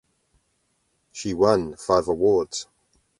She won five awards.